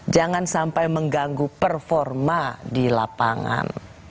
jangan sampai mengganggu performa di lapangan